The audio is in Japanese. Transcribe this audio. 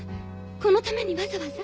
このためにわざわざ？